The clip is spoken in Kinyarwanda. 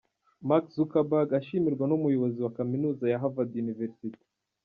Mark Zuckeberg ashimirwa n’umuyobozi wa Kaminuza ya Harvard Universite.